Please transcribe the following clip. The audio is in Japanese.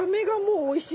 おいしい！